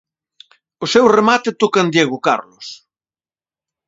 O seu remate toca en Diego Carlos.